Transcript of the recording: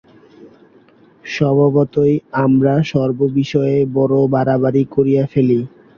স্বভাবতই আমরা সর্ববিষয়ে বড় বাড়াবাড়ি করিয়া ফেলি।